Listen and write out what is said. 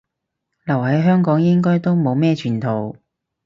留喺香港應該都冇咩前途